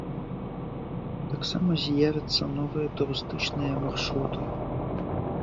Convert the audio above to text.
Таксама з'явяцца новыя турыстычныя маршруты.